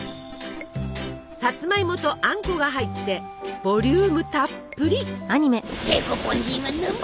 さつまいもとあんこが入ってボリュームたっぷり。